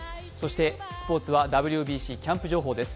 スポーツはＷＢＣキャンプ情報です。